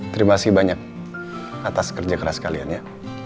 terima kasih banyak atas kerja keras kalian ya